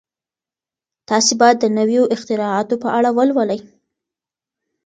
تاسي باید د نویو اختراعاتو په اړه ولولئ.